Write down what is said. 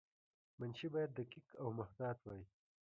منشي باید دقیق او محتاط وای.